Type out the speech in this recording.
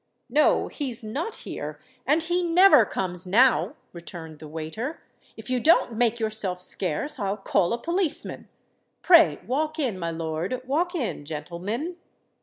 "No—he's not here—and he never comes now," returned the waiter. "If you don't make yourself scarce, I'll call a policeman. Pray walk in, my lord—walk in, gentlemen."